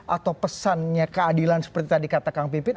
atau pesannya keadilan seperti tadi kata kang pipin